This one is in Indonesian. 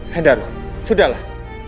he daru sudahlah